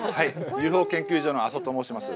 ＵＦＯ研究所の阿曽と申します。